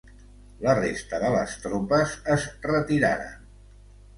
La resta de les tropes es retiraren.